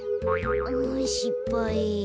んしっぱい。